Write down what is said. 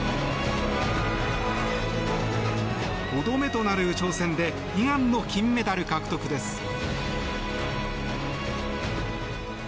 ５度目となる挑戦で悲願の金メダル獲得です。